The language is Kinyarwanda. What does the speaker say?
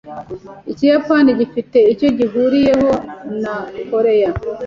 Ikiyapani gifite icyo gihuriyeho na koreya.